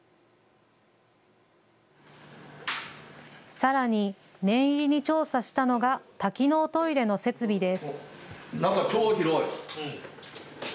さらに念入りに調査したのが多機能トイレの設備です。